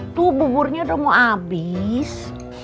tuh buburnya udah mau habis